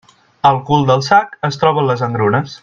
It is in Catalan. Al cul del sac es troben les engrunes.